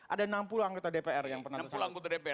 ada enam puluh anggota dpr yang pernah ditangkap